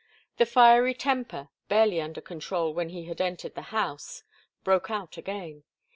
The fiery temper barely under control when he had entered the house broke out again.